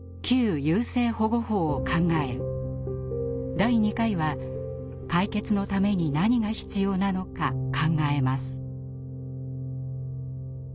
第２回は解決のために何が必要なのか考えます。